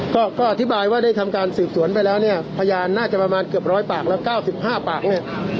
ก็ก็อธิบายว่าได้ทำการสืบสวนไปแล้วเนี่ยพยานน่าจะประมาณเกือบร้อยปากแล้ว๙๕ปากเนี่ย